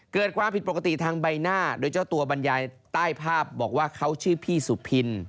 เกิดความผิดปกติทางใบหน้าโดยเจ้าตัวบรรยายใต้ภาพบอกว่าเขาชื่อพี่สุพิน